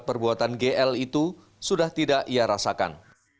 perbuatan gl itu sudah tidak ia rasakan